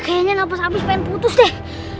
kayaknya napas abis pengen putus deh